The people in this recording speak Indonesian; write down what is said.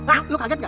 eh lu kaget ga